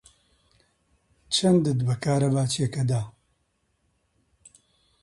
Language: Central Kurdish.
چەندت بە کارەباچییەکە دا؟